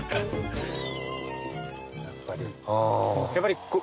やっぱり。